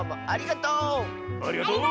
ありがとう！